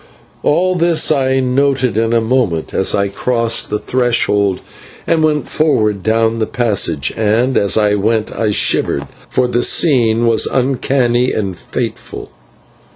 All this I noted in a moment as I crossed the threshold and went forward down the passage, and as I went I shivered, for the scene was uncanny and fateful.